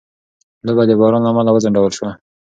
لوبه د باران له امله وځنډول شوه.